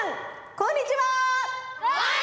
こんにちは！